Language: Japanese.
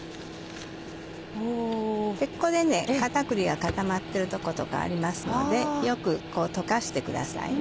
ここで片栗が固まってるとことかありますのでよく溶かしてください。